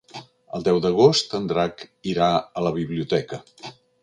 El deu d'agost en Drac irà a la biblioteca.